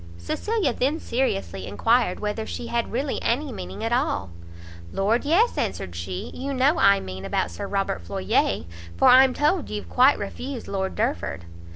Cecilia then seriously enquired whether she had really any meaning at all. "Lord yes," answered she, "you know I mean about Sir Robert Floyer; for I'm told you've quite refused Lord Derford."